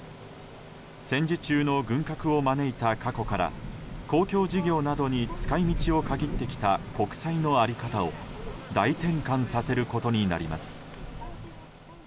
戦時中の軍拡を招いた過去から公共事業などに使い道を限ってきた国債の在り方を大転換させることになります。